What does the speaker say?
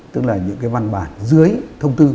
tức là những văn bản dưới thông tư